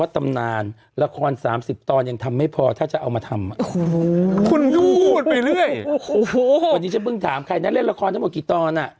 วันนี้ฉันเพิ่งถามใครนะเล่นละครทั้งหมดกี่ตอนอ่ะ